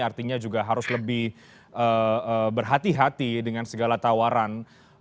artinya juga harus lebih berhati hati dengan segala tawaran